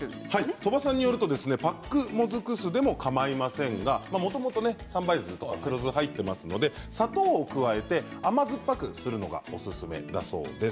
鳥羽さんによりますとパックもずく酢でもかまいませんが、もともと三杯酢といって黒酢が入っていますので砂糖を加えて甘酸っぱくするのがおすすめだそうです。